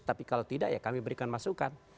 tapi kalau tidak ya kami berikan masukan